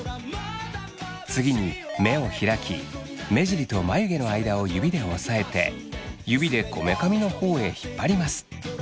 次に目を開き目尻と眉毛の間を指で押さえて指でこめかみのほうへ引っ張ります。